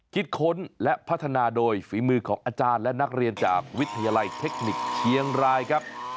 คิดค้นและพัฒนาโดยฝีมือของอาจารย์และนักเรียนจากวิทยาลัยเทคนิคเชียงรายครับ